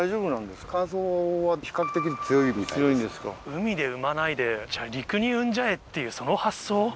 海で産まないで陸に産んじゃえっていうその発想。